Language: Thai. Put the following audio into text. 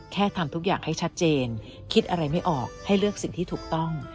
ทำทุกอย่างให้ชัดเจนคิดอะไรไม่ออกให้เลือกสิ่งที่ถูกต้อง